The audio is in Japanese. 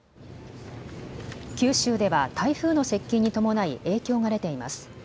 九州では台風の接近に伴い影響が出ています。